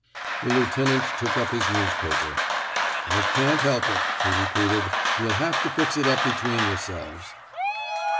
The lieutenant took up his newspaper. I can't help it," he repeated. You'll have to fix it up between yourselves."